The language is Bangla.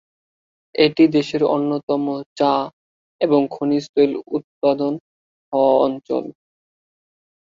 এটি দেশের একটি অন্যতম চা এবং খনিজ তৈল উৎপাদন হওয়া অঞ্চল।